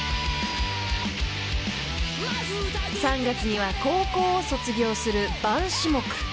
［３月には高校を卒業する板歯目］